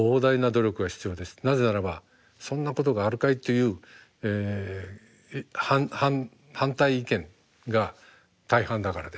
なぜならば「そんなことがあるかい」という反対意見が大半だからです。